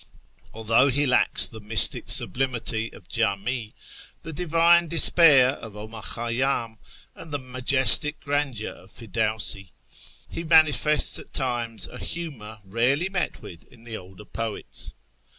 Although he lacks the mystic sublimity of Jami, the divine despair of 'Omar Khayyam, and the majestic grandeur of Pirdawsi, he manifests at times a humour rarely met with in the older poets.